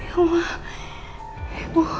ya allah ibu